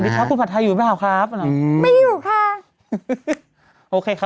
สวัสดีครับคุณผัดทายอยู่ไหมครับครับอืมไม่อยู่ค่ะโอเคครับ